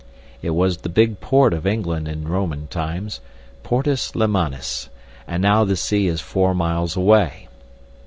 It was the big port of England in Roman times, Portus Lemanis, and now the sea is four miles away.